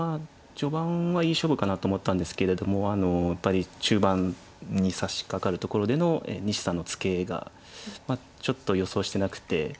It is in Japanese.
序盤はいい勝負かなと思ったんですけれどもやっぱり中盤にさしかかるところでの西さんのツケがちょっと予想してなくて。